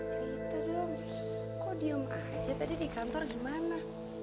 cerita dong kok diem aja tadi di kantor gimana